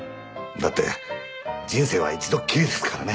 だって人生は一度っきりですからね。